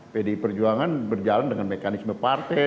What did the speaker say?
pdi perjuangan berjalan dengan mekanisme partai